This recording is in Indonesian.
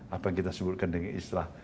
apa yang kita sebutkan dengan istilah